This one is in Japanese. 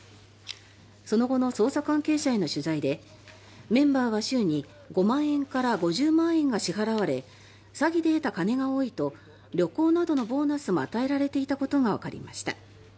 その後の捜査関係者への取材でメンバーは週に５万円から５０万円が支払われ詐欺で得た金が多いと旅行などのボーナスも与えられていたことがわかりました。